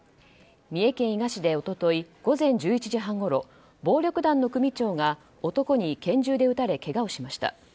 三重県伊賀市で一昨日午前１１時半ごろ暴力団の組長が男に拳銃で撃たれ、けがをしました。